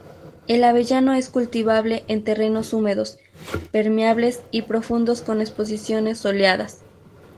El avellano es cultivable en terrenos húmedos, permeables y profundos con exposiciones soleadas.